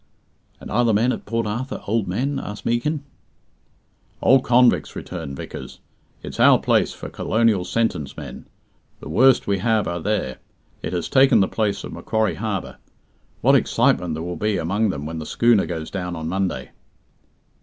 "And are the men at Port Arthur old men?" asked Meekin. "Old convicts," returned Vickers. "It's our place for 'colonial sentence' men. The worst we have are there. It has taken the place of Macquarie Harbour. What excitement there will be among them when the schooner goes down on Monday!"